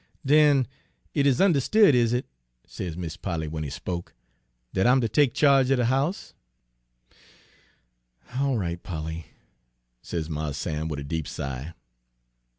"'Den it is unde'stood, is it,' says Mis' Polly, w'en he had spoke, 'dat I am ter take cha'ge er de house?' "'All right, Polly,' says Mars Sam, wid a deep sigh.